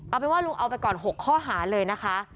เอาเป็นว่าลุงเอาไปก่อน๖ข้อหาเลยนะคะ